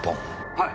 はい。